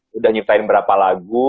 sudah menciptakan berapa lagu